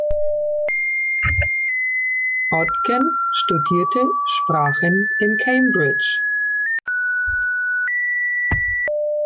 Ogden studierte Sprachen in Cambridge.